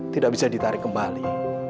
tidak bisa ditarik kembali